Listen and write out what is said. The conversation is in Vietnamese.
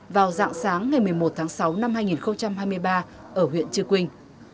vào dạng sáng ngày một mươi một tháng sáu năm hai nghìn hai mươi ba ở huyện chư quynh